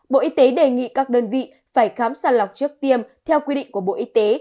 bộ y tế đề nghị các đơn vị phải khám sàng lọc trước tiêm theo quy định của bộ y tế